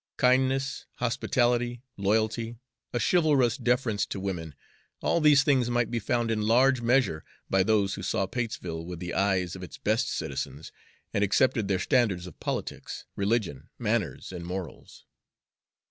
Kindness, hospitality, loyalty, a chivalrous deference to women, all these things might be found in large measure by those who saw Patesville with the eyes of its best citizens, and accepted their standards of politics, religion, manners, and morals.